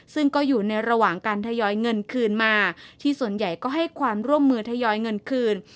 ซึ่งก็อยู่ในระหว่างการทยอยเงินคืนมาที่ส่วนใหญ่ก็ให้ความร่วมมือทยอยเงินคืน